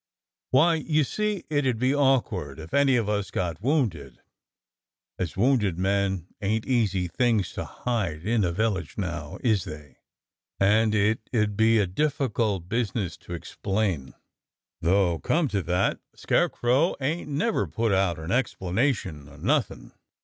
"Why, you see it 'ud be awkward if any of us got wounded, as wounded men ain't easy things to hide in a village now, is they? and it 'ud be a difficult busi ness to explain. Though, come to that. Scarecrow ain't never put out for an explanation o' nothing."